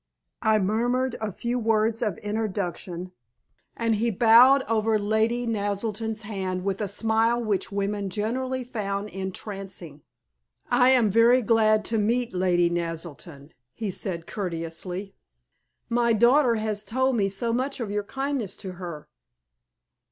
I murmured a few words of introduction, and he bowed over Lady Naselton's hand with a smile which women generally found entrancing. "I am very glad to meet Lady Naselton," he said, courteously. "My daughter has told me so much of your kindness to her."